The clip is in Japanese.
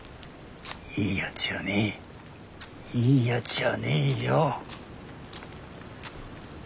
いいやつじゃねえいいやつじゃねえよ。